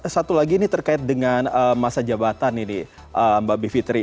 satu lagi ini terkait dengan masa jabatan ini mbak bivitri